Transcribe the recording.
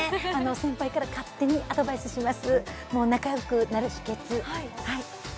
先輩から勝手にアドバイスします。